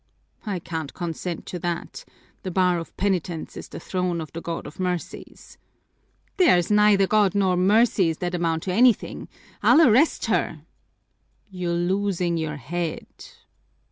"I can't consent to that. The bar of penitence is the throne of the God of mercies." "There's neither God nor mercies that amount to anything! I'll arrest her!" "You're losing your head!